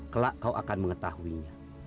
kelak kau akan mengetahuinya